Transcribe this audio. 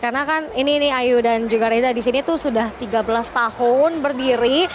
karena kan ini ayu dan juga reza di sini tuh sudah tiga belas tahun berdiri